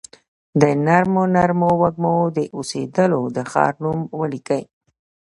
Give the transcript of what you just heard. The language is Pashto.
د نرمو نرمو وږمو، د اوسیدولو د ښار نوم ولیکي